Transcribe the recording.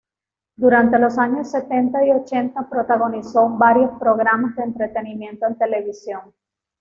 Durante los años setenta y ochenta protagonizó varios programas de entretenimiento en televisión.